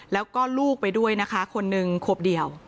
แล้วก็ลูกไปด้วยนะคะคนหนึ่งขวบเดียว